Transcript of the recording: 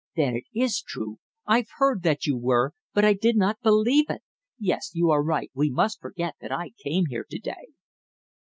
"Then it is true! I'd heard that you were, but I did not believe it! Yes, you are right, we must forget that I came here to day."